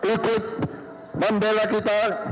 ikut membela kita